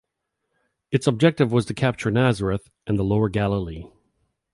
Its objective was to capture Nazareth and the Lower Galilee.